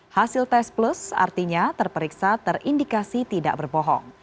hasil tes plus artinya terperiksa terindikasi tidak berbohong